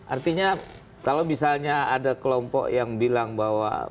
artinya kalau misalnya ada kelompok yang bilang bahwa